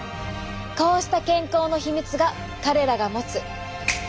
こうした健康のヒミツが彼らが持つ。